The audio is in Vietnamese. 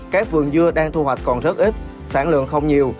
các vườn dưa đang thu hoạch còn rất ít sản lượng không nhiều